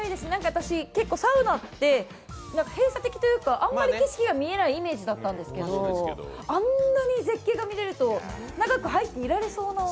私、サウナって閉鎖的というか、あんまり景色が見えないイメージだったんですけどあんなに絶景が見れると長く入っていられそうな。